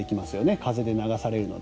風で流されるので。